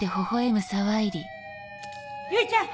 唯ちゃん！